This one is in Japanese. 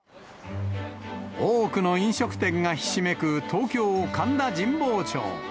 多くの飲食店がひしめく東京・神田神保町。